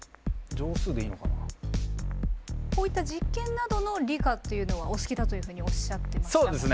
こういった実験などの理科っていうのはお好きだというふうにおっしゃってましたもんね。